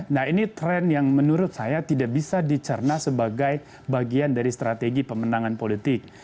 nah ini tren yang menurut saya tidak bisa dicerna sebagai bagian dari strategi pemenangan politik